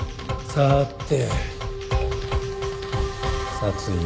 さて！